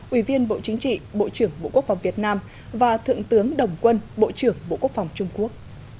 ủy viên bộ chính trị bộ trưởng bộ quốc phòng việt nam và thượng tướng đồng quân bộ trưởng bộ quốc phòng trung quốc